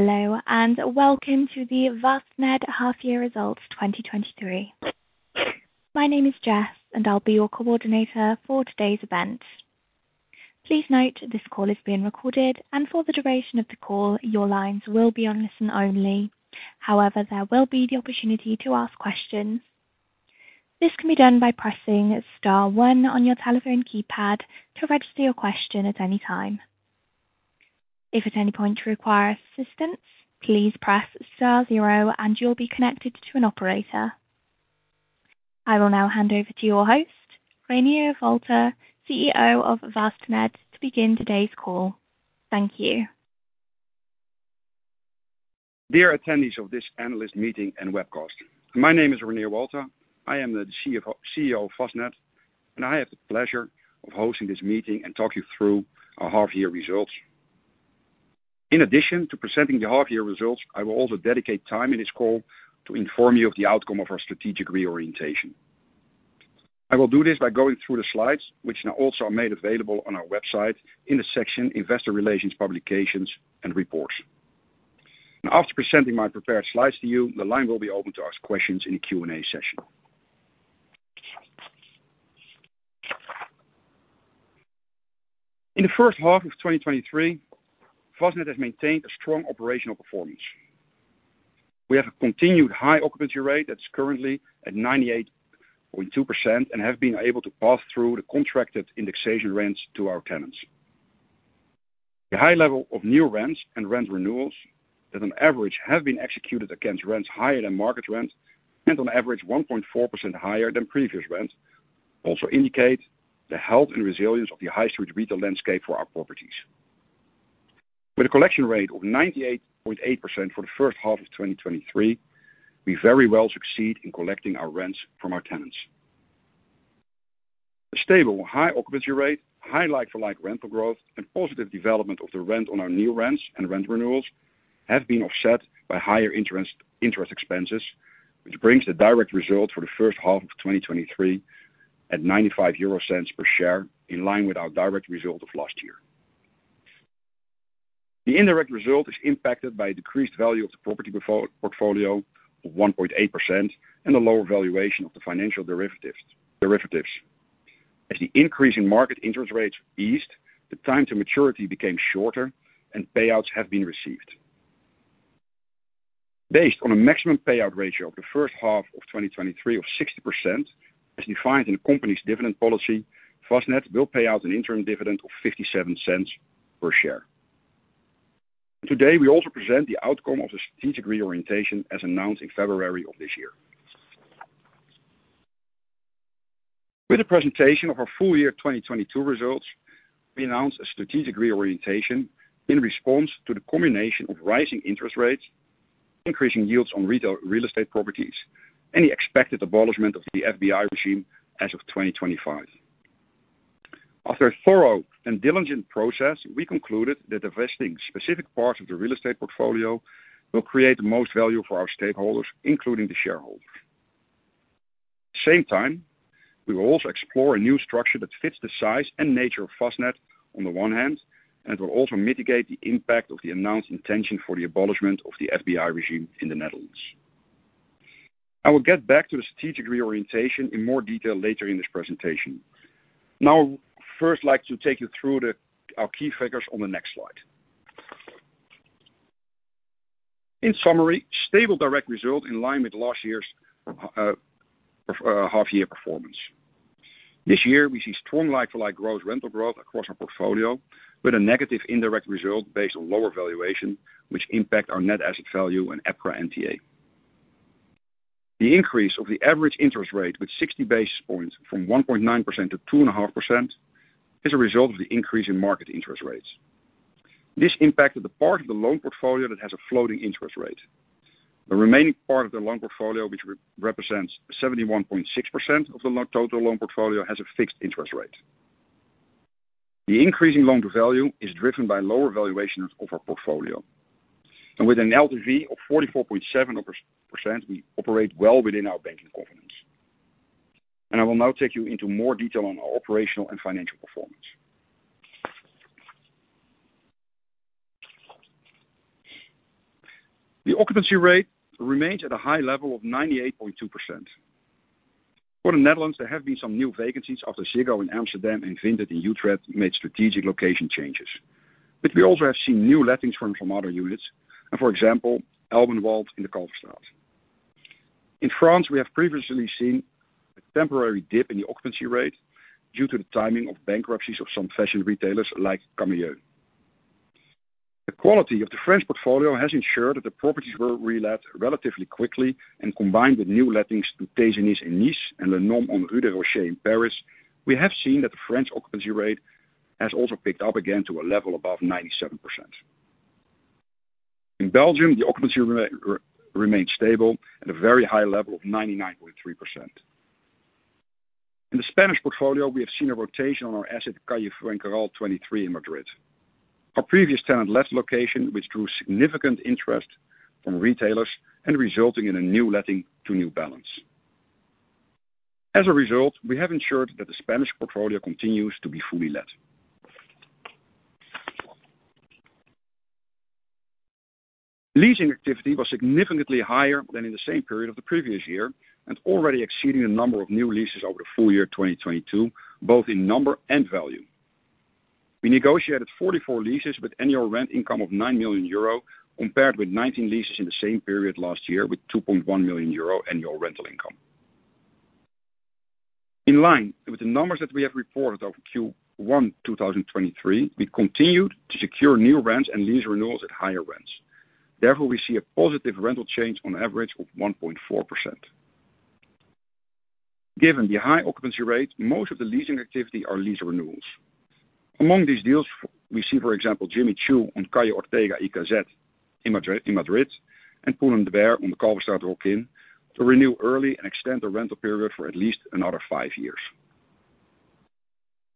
Hello, and welcome to the Vastned Half Year Results 2023. My name is Jess, and I'll be your coordinator for today's event. Please note, this call is being recorded, and for the duration of the call, your lines will be on listen-only. There will be the opportunity to ask questions. This can be done by pressing star one on your telephone keypad to register your question at any time. If at any point you require assistance, please press star zero and you'll be connected to an operator. I will now hand over to your host, Reinier Walta, CEO of Vastned, to begin today's call. Thank you. Dear attendees of this analyst meeting and webcast. My name is Reinier Walta. I am the CEO of Vastned, and I have the pleasure of hosting this meeting and talk you through our half year results. In addition to presenting the half year results, I will also dedicate time in this call to inform you of the outcome of our strategic reorientation. I will do this by going through the slides, which now also are made available on our website in the section Investor Relations Publications and Reports. After presenting my prepared slides to you, the line will be open to ask questions in a Q&A session. In the first half of 2023, Vastned has maintained a strong operational performance. We have a continued high occupancy rate that's currently at 98.2% and have been able to pass through the contracted indexation rents to our tenants. The high level of new rents and rent renewals that on average have been executed against rents higher than market rents and on average 1.4% higher than previous rents, also indicate the health and resilience of the high street retail landscape for our properties. With a collection rate of 98.8% for the first half of 2023, we very well succeed in collecting our rents from our tenants. The stable, high occupancy rate, high like-for-like rental growth, and positive development of the rent on our new rents and rent renewals have been offset by higher interest expenses, which brings the direct result for the first half of 2023 at €0.95 per share, in line with our direct result of last year. The indirect result is impacted by a decreased value of the property portfolio of 1.8% and a lower valuation of the financial derivatives. The increase in market interest rates eased, the time to maturity became shorter, and payouts have been received. Based on a maximum payout ratio of the first half of 2023 of 60%, as defined in the company's dividend policy, Vastned will pay out an interim dividend of €0.57 per share. Today, we also present the outcome of the strategic reorientation as announced in February of this year. With the presentation of our full year 2022 results, we announced a strategic reorientation in response to the combination of rising interest rates, increasing yields on real estate properties, and the expected abolishment of the FBI regime as of 2025. After a thorough and diligent process, we concluded that divesting specific parts of the real estate portfolio will create the most value for our stakeholders, including the shareholders. Same time, we will also explore a new structure that fits the size and nature of Vastned on the one hand, and it will also mitigate the impact of the announced intention for the abolishment of the FBI regime in the Netherlands. I will get back to the strategic reorientation in more detail later in this presentation. Now, first like to take you through our key figures on the next slide. In summary, stable direct result in line with last year's half-year performance. This year, we see strong like-for-like rental growth across our portfolio with a negative indirect result based on lower valuation, which impact our net asset value and EPRA NTA. The increase of the average interest rate with 60 basis points from 1.9% to 2.5% is a result of the increase in market interest rates. This impacted the part of the loan portfolio that has a floating interest rate. The remaining part of the loan portfolio, which represents 71.6% of the total loan portfolio, has a fixed interest rate. The increase in loan-to-value is driven by lower valuations of our portfolio. With an LTV of 44.7%, we operate well within our banking covenants. I will now take you into more detail on our operational and financial performance. The occupancy rate remains at a high level of 98.2%. For the Netherlands, there have been some new vacancies after Ziggo in Amsterdam and Vinted in Utrecht made strategic location changes. But we also have seen new lettings from some other units and, for example, Alpenwild in the Kalverstraat. In France, we have previously seen a temporary dip in the occupancy rate due to the timing of bankruptcies of some fashion retailers like Camaïeu. The quality of the French portfolio has ensured that the properties were relet relatively quickly, and combined with new lettings to c and Lancôme on rue du Rocher in Paris, we have seen that the French occupancy rate has also picked up again to a level above 97%. In Belgium, the occupancy rate remains stable at a very high level of 99.3%. In the Spanish portfolio, we have seen a rotation on our asset, Calle Fuencarral 23 in Madrid. Our previous tenant left location, which drew significant interest from retailers and resulting in a new letting to New Balance. As a result, we have ensured that the Spanish portfolio continues to be fully let. Leasing activity was significantly higher than in the same period of the previous year, and already exceeding the number of new leases over the full year 2022, both in number and value. We negotiated 44 leases with annual rent income of nine million EUR, compared with 19 leases in the same period last year with 2.1 million euro annual rental income. In line with the numbers that we have reported of Q1 2023, we continued to secure new rents and lease renewals at higher rents. Therefore, we see a positive rental change on average of 1.4%. Given the high occupancy rate, most of the leasing activity are lease renewals. Among these deals, we see, for example, Jimmy Choo on Calle Ortega y Gasset in Madrid, and Pull&Bear on the Kalverstraat in, to renew early and extend the rental period for at least another five years.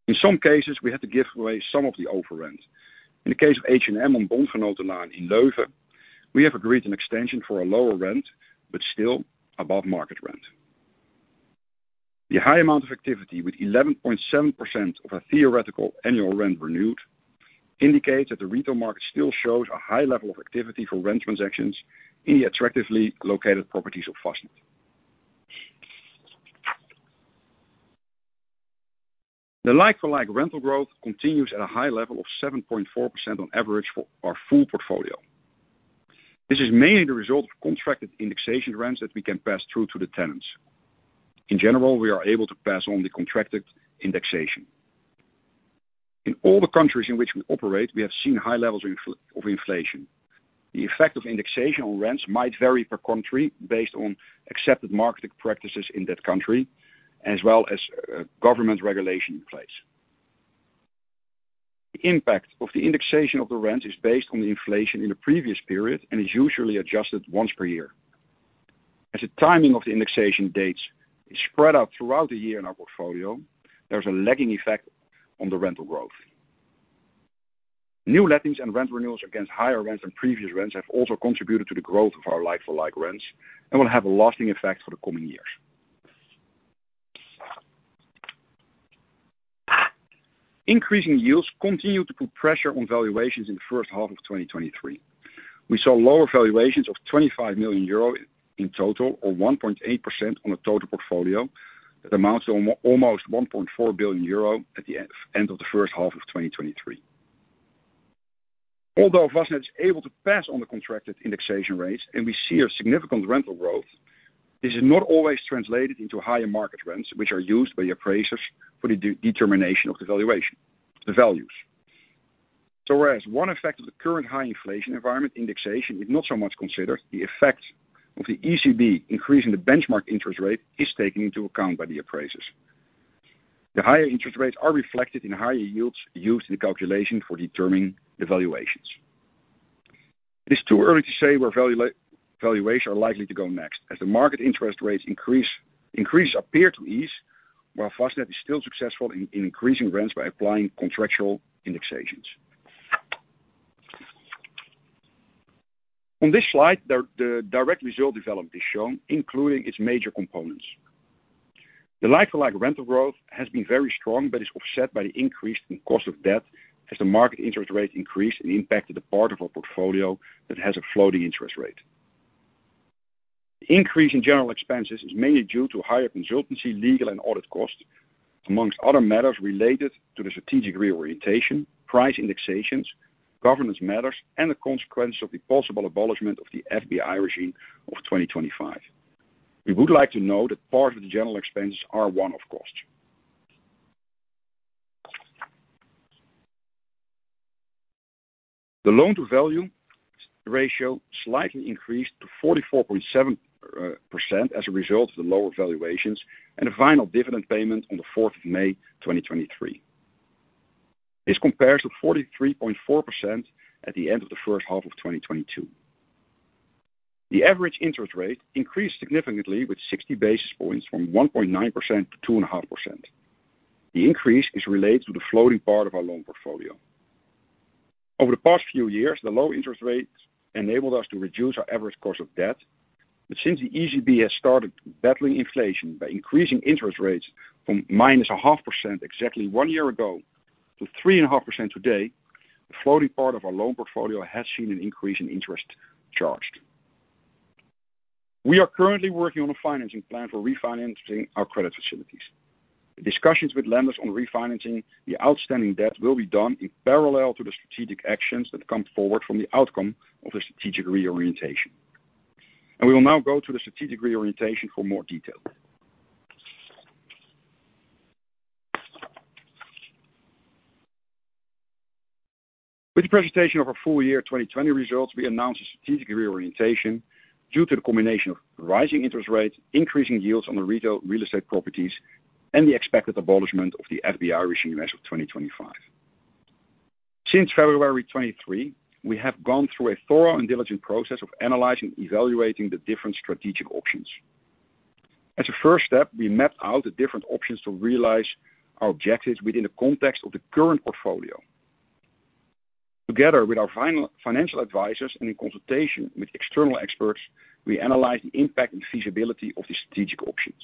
In some cases, we had to give away some of the over rent. In the case of H&M on Bondgenotenlaan in Leuven, we have agreed an extension for a lower rent, but still above market rent. The high amount of activity with 11.7% of our theoretical annual rent renewed, indicates that the retail market still shows a high level of activity for rent transactions in the attractively located properties of Vastned. The like-for-like rental growth continues at a high level of 7.4% on average for our full portfolio. This is mainly the result of contracted indexation rents that we can pass through to the tenants. In general, we are able to pass on the contracted indexation. In all the countries in which we operate, we have seen high levels of inflation. The effect of indexation on rents might vary per country based on accepted marketing practices in that country, as well as government regulation in place. The impact of the indexation of the rent is based on the inflation in the previous period, and is usually adjusted once per year. The timing of the indexation dates is spread out throughout the year in our portfolio, there's a lagging effect on the rental growth. New lettings and rent renewals against higher rents than previous rents have also contributed to the growth of our like-for-like rents and will have a lasting effect for the coming years. Increasing yields continue to put pressure on valuations in the first half of 2023. We saw lower valuations of 25 million euro in total, or 1.8% on the total portfolio. That amounts to almost 1.4 billion euro at the end of the first half of 2023. Although Vastned is able to pass on the contracted indexation rates and we see a significant rental growth, this is not always translated into higher market rents, which are used by the appraisers for the determination of the values. Whereas one effect of the current high inflation environment indexation is not so much considered, the effect of the European Central Bank increasing the benchmark interest rate is taken into account by the appraisers. The higher interest rates are reflected in higher yields used in the calculation for determining the valuations. It is too early to say where valuations are likely to go next, as the market interest rates increase appear to ease, while Vastned is still successful in increasing rents by applying contractual indexations. On this slide, the direct result development is shown, including its major components. The like-for-like rental growth has been very strong but is offset by the increase in cost of debt as the market interest rate increased and impacted the part of our portfolio that has a floating interest rate. The increase in general expenses is mainly due to higher consultancy, legal, and audit costs, amongst other matters related to the strategic reorientation, price indexations, governance matters, and the consequences of the possible abolishment of the FBI regime of 2025. We would like to note that part of the general expenses are one-off costs. The loan-to-value ratio slightly increased to 44.7% as a result of the lower valuations and a final dividend payment on the 4th of May 2023. This compares to 43.4% at the end of the first half of 2022. The average interest rate increased significantly with 60 basis points from 1.9% to 2.5%. The increase is related to the floating part of our loan portfolio. Over the past few years, the low interest rates enabled us to reduce our average cost of debt. Since the ECB has started battling inflation by increasing interest rates from −0.5% exactly one year ago to 3.5% today, the floating part of our loan portfolio has seen an increase in interest charged. We are currently working on a financing plan for refinancing our credit facilities. The discussions with lenders on refinancing the outstanding debt will be done in parallel to the strategic actions that come forward from the outcome of the strategic reorientation. We will now go to the strategic reorientation for more details. With the presentation of our full year 2020 results, we announced a strategic reorientation due to the combination of rising interest rates, increasing yields on the retail real estate properties, and the expected abolishment of the FBI regime as of 2025. Since February 23, we have gone through a thorough and diligent process of analyzing and evaluating the different strategic options. As a first step, we mapped out the different options to realize our objectives within the context of the current portfolio. Together with our financial advisors and in consultation with external experts, we analyzed the impact and feasibility of the strategic options.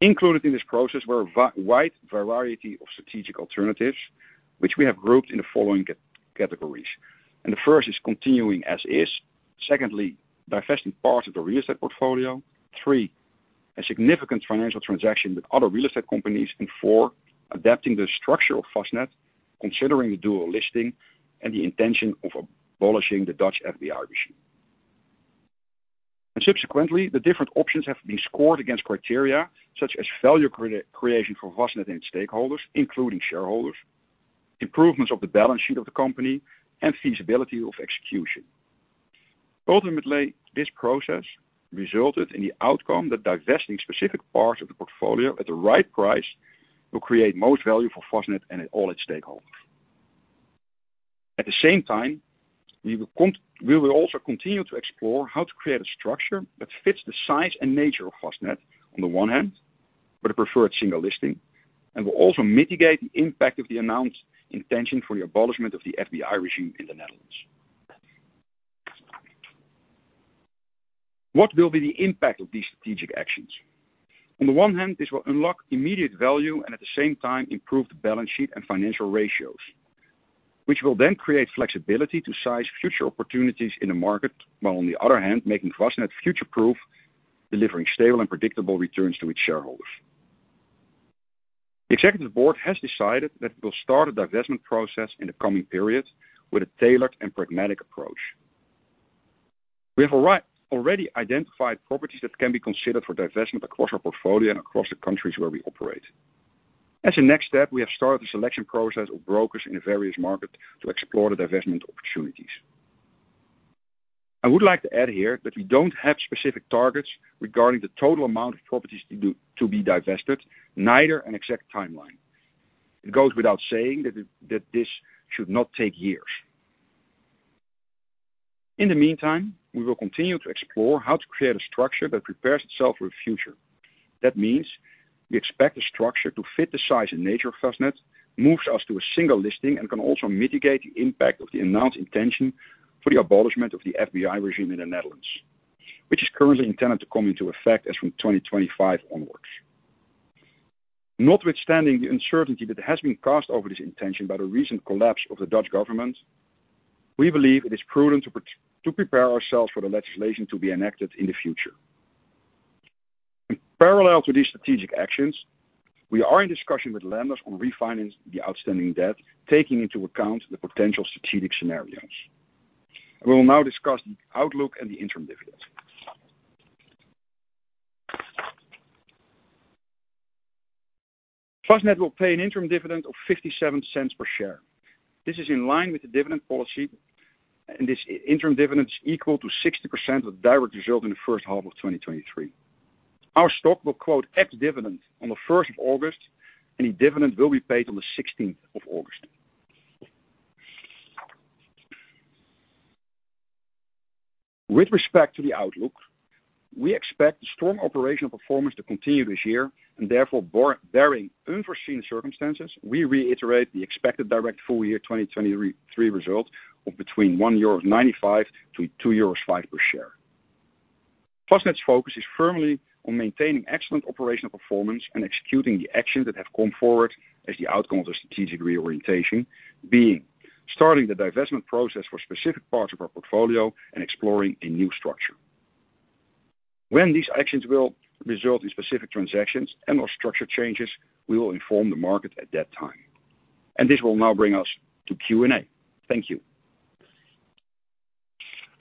Included in this process were a wide variety of strategic alternatives, which we have grouped in the following categories. The first is continuing as is. Secondly, divesting parts of the real estate portfolio. 3, a significant financial transaction with other real estate companies. And 4, adapting the structure of Vastned, considering the dual listing and the intention of abolishing the Dutch FBI regime. Subsequently, the different options have been scored against criteria such as value creation for Vastned and its stakeholders, including shareholders, improvements of the balance sheet of the company, and feasibility of execution. Ultimately, this process resulted in the outcome that divesting specific parts of the portfolio at the right price will create most value for Vastned and all its stakeholders. At the same time, we will also continue to explore how to create a structure that fits the size and nature of Vastned on the one hand, for the preferred single listing, and will also mitigate the impact of the announced intention for the abolishment of the FBI regime in the Netherlands. What will be the impact of these strategic actions? On the one hand, this will unlock immediate value and at the same time improve the balance sheet and financial ratios, which will then create flexibility to size future opportunities in the market, while on the other hand, making Vastned future-proof, delivering stable and predictable returns to its shareholders. The executive board has decided that it will start a divestment process in the coming period with a tailored and pragmatic approach. We have already identified properties that can be considered for divestment across our portfolio and across the countries where we operate. As a next step, we have started the selection process of brokers in the various markets to explore the divestment opportunities. I would like to add here that we don't have specific targets regarding the total amount of properties to be divested, neither an exact timeline. It goes without saying that this should not take years. In the meantime, we will continue to explore how to create a structure that prepares itself for the future. That means we expect the structure to fit the size and nature of Vastned, moves us to a single listing, and can also mitigate the impact of the announced intention for the abolishment of the FBI regime in the Netherlands, which is currently intended to come into effect as from 2025 onwards. Notwithstanding the uncertainty that has been caused over this intention by the recent collapse of the Dutch government, we believe it is prudent to prepare ourselves for the legislation to be enacted in the future. In parallel to these strategic actions, we are in discussion with lenders on refinancing the outstanding debt, taking into account the potential strategic scenarios. I will now discuss the outlook and the interim dividend. Vastned will pay an interim dividend of 0.57 per share. This is in line with the dividend policy, and this interim dividend is equal to 60% of direct result in the first half of 2023. Our stock will quote ex-dividend on the 1st of August, and the dividend will be paid on the 16th of August. With respect to the outlook, we expect the strong operational performance to continue this year, and therefore, barring unforeseen circumstances, we reiterate the expected direct full year 2023 result of between €1.95 to €2.5 per share. Vastned's focus is firmly on maintaining excellent operational performance and executing the actions that have come forward as the outcome of the strategic reorientation, being starting the divestment process for specific parts of our portfolio and exploring a new structure. When these actions will result in specific transactions and/or structure changes, we will inform the market at that time. This will now bring us to Q&A. Thank you.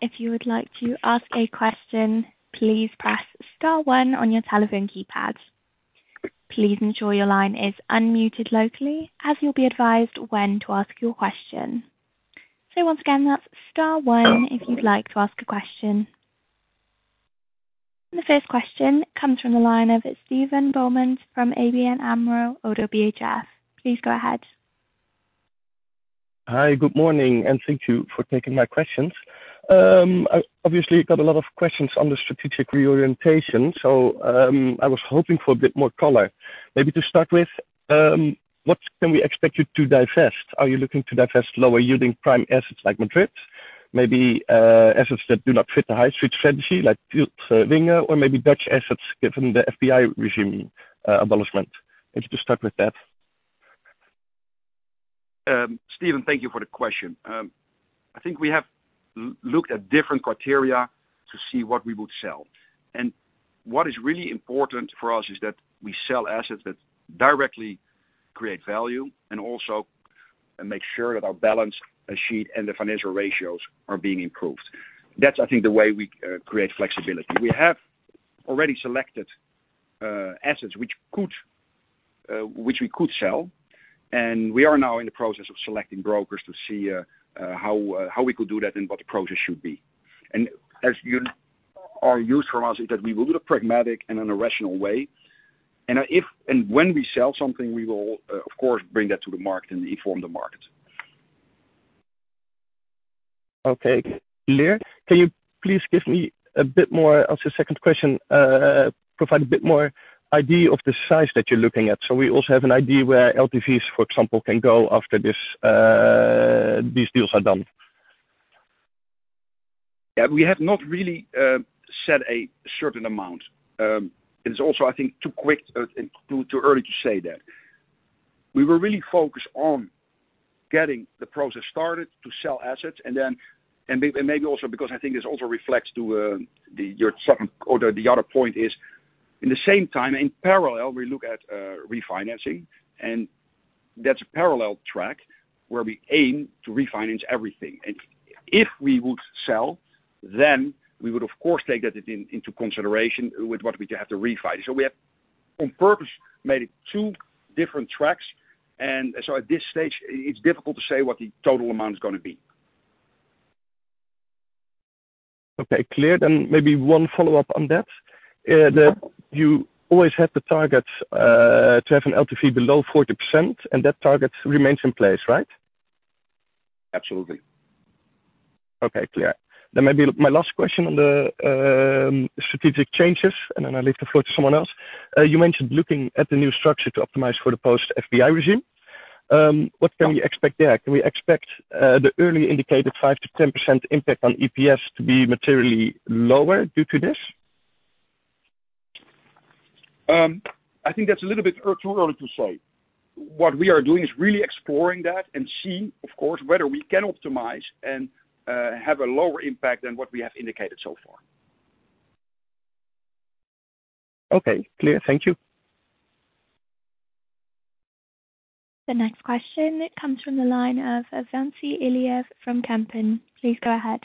If you would like to ask a question, please press star one on your telephone keypad. Please ensure your line is unmuted locally, as you'll be advised when to ask your question. Once again, that's star one if you'd like to ask a question. The first question comes from the line of Steven Boumans from ABN AMRO-ODDO BHF. Please go ahead. Hi. Good morning, and thank you for taking my questions. Obviously, you got a lot of questions on the strategic reorientation. I was hoping for a bit more color. Maybe to start with, what can we expect you to divest? Are you looking to divest lower-yielding prime assets like Madrid, maybe assets that do not fit the high street strategy like Wijnegem or maybe Dutch assets given the FBI regime abolishment? Maybe to start with that. Steven, thank you for the question. I think we have looked at different criteria to see what we would sell. What is really important for us is that we sell assets that directly create value and also make sure that our balance sheet and the financial ratios are being improved. That's, I think, the way we create flexibility. We have already selected assets which we could sell, and we are now in the process of selecting brokers to see how we could do that and what the process should be. As you are used from us, is that we will do it in a pragmatic and in a rational way. If and when we sell something, we will, of course, bring that to the market and inform the market. Okay, clear. Can you please give me a bit more, as a second question, provide a bit more idea of the size that you're looking at so we also have an idea where LTVs, for example, can go after these deals are done. We have not really set a certain amount. It is also, I think, too quick, too early to say that. We were really focused on getting the process started to sell assets and maybe also because I think this also reflects to the other point is, in the same time, in parallel, we look at refinancing, and that's a parallel track where we aim to refinance everything. If we would sell, then we would, of course, take that into consideration with what we have to refi. We have, on purpose, made it two different tracks, and so at this stage, it's difficult to say what the total amount is going to be. Okay, clear. Maybe one follow-up on that. Yeah. You always had the target to have an LTV below 40%, that target remains in place, right? Absolutely. Okay, clear. Maybe my last question on the strategic changes. I leave the floor to someone else. You mentioned looking at the new structure to optimize for the post-FBI regime. What can we expect there? Can we expect the early indicated 5%-10% impact on EPS to be materially lower due to this? I think that's a little bit too early to say. What we are doing is really exploring that and seeing, of course, whether we can optimize and have a lower impact than what we have indicated so far. Okay, clear. Thank you. The next question comes from the line of Ventsi Iliev from Kempen. Please go ahead.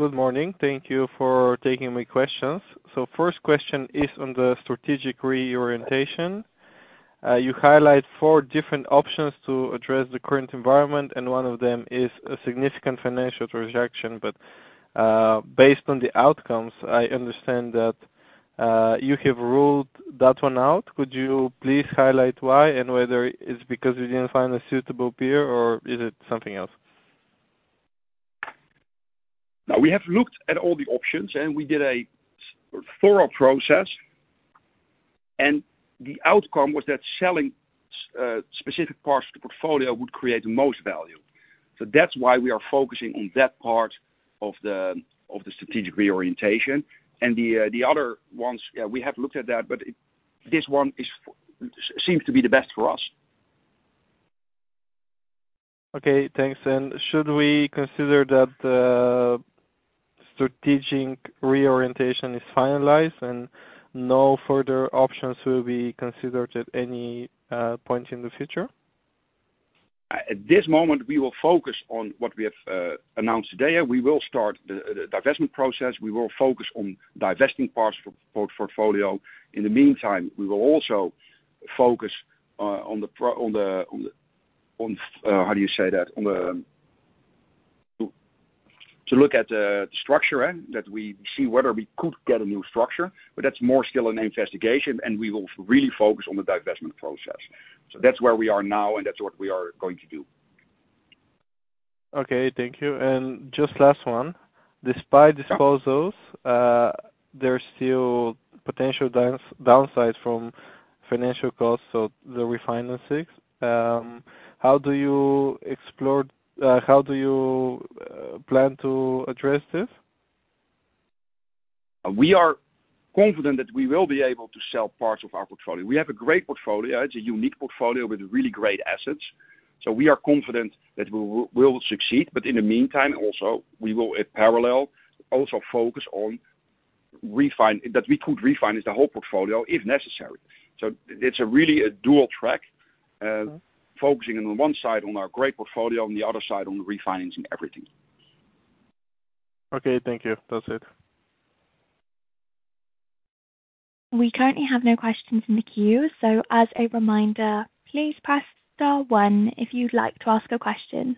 Good morning. Thank you for taking my questions. First question is on the strategic reorientation. You highlight four different options to address the current environment, One of them is a significant financial transaction. Based on the outcomes, I understand that you have ruled that one out. Could you please highlight why and whether it's because you didn't find a suitable peer, or is it something else? We have looked at all the options, We did a thorough process, The outcome was that selling specific parts of the portfolio would create the most value. That's why we are focusing on that part of the strategic reorientation. The other ones, we have looked at that, This one seems to be the best for us. Okay, thanks. Should we consider that the strategic reorientation is finalized and no further options will be considered at any point in the future? At this moment, we will focus on what we have announced today. We will start the divestment process. We will focus on divesting parts of our portfolio. In the meantime, we will also focus on the to look at the structure that we see whether we could get a new structure. That's more still an investigation. We will really focus on the divestment process. That's where we are now, and that's what we are going to do. Okay, thank you. Just last one. Despite disposals, there's still potential downsides from financial costs of the refinancings. How do you plan to address this? We are confident that we will be able to sell parts of our portfolio. We have a great portfolio. It's a unique portfolio with really great assets. We are confident that we will succeed, in the meantime, also, we will in parallel, also focus on that we could refinance the whole portfolio if necessary. It's really a dual track, focusing on one side on our great portfolio, on the other side, on refinancing everything. Okay, thank you. That's it. We currently have no questions in the queue. As a reminder, please press star one if you'd like to ask a question.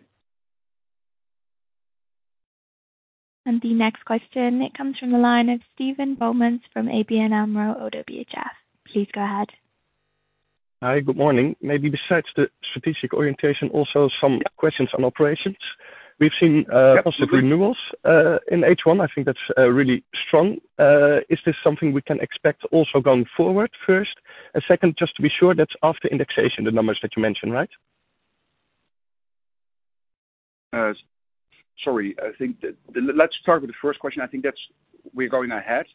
The next question, it comes from the line of Steven Boelmans from ABN AMRO-ODDO BHF. Please go ahead. Hi, good morning. Maybe besides the strategic orientation, also some questions on operations. We've seen- Absolutely. -positive renewals, in H1. I think that's really strong. Is this something we can expect also going forward, first? Second, just to be sure, that's after indexation, the numbers that you mentioned, right? Sorry. Let's start with the first question. I think that's we're going ahead.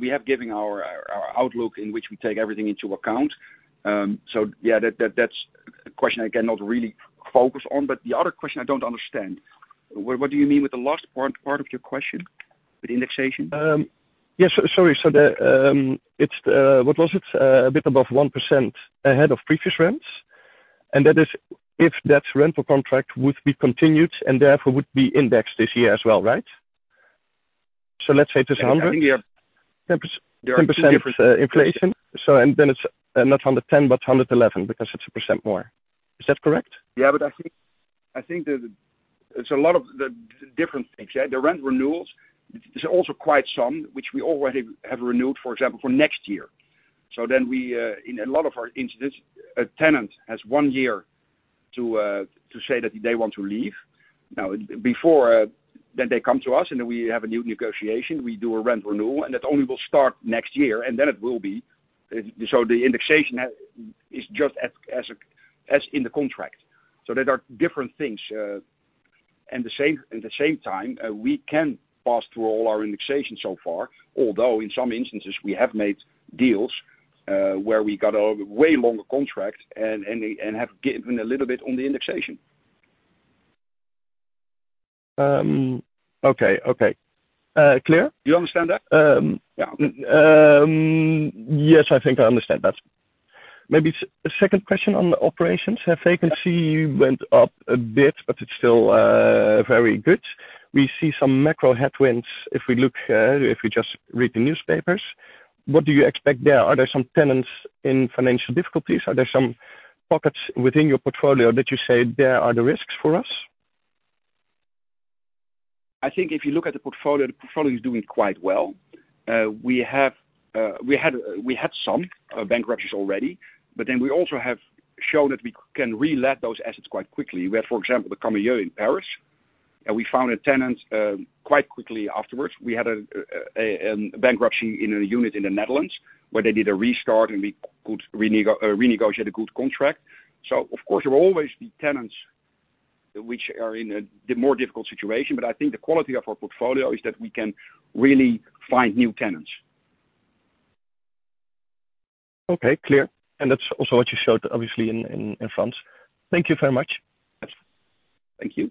We have given our outlook in which we take everything into account. Yeah, that's a question I cannot really focus on, but the other question I don't understand. What do you mean with the last part of your question, with indexation? Yes, sorry. What was it? A bit above 1% ahead of previous rents, that is if that rental contract would be continued and therefore would be indexed this year as well, right? Let's say it is 100, 10% inflation. Then it's not 110, but 111 because it's 1% more. Is that correct? Yeah, I think there's a lot of the different things. The rent renewals is also quite some, which we already have renewed, for example, for next year. In a lot of our instances, a tenant has one year to say that they want to leave. Before then they come to us, then we have a new negotiation. We do a rent renewal, that only will start next year. The indexation is just as in the contract. There are different things. At the same time, we can pass through all our indexations so far, although in some instances, we have made deals, where we got a way longer contract and have given a little bit on the indexation. Okay. Clear. You understand that? Yes, I think I understand that. Maybe a second question on the operations. Vacancy went up a bit, but it's still very good. We see some macro headwinds if we just read the newspapers. What do you expect there? Are there some tenants in financial difficulties? Are there some pockets within your portfolio that you say, "There are the risks for us"? I think if you look at the portfolio, the portfolio is doing quite well. We had some bankruptcies already, but then we also have shown that we can relet those assets quite quickly. We had, for example, the Camaïeu in Paris, and we found a tenant quite quickly afterwards. We had a bankruptcy in a unit in the Netherlands where they did a restart, and we could renegotiate a good contract. Of course, there will always be tenants which are in a more difficult situation, but I think the quality of our portfolio is that we can really find new tenants. Okay, clear. That's also what you showed, obviously, in France. Thank you very much. Thank you.